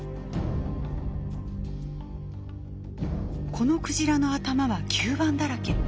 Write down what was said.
このクジラの頭は吸盤だらけ。